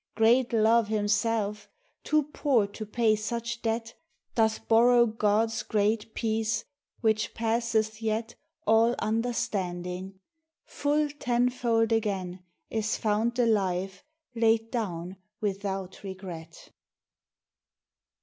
Great Love himself, too poor to pay such debt, Doth borrow God's great peace which passeth yet All understanding. Full tenfold again Is found the life, laid down without regret!